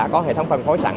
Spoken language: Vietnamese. có hệ thống phân phối sẵn